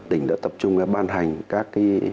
tỉnh đã tập trung ban hành các